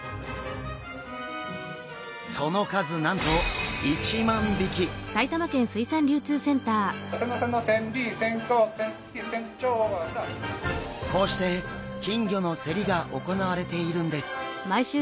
その数なんとこうして金魚の競りが行われているんです。